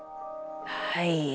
はい。